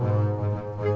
kamu dari lu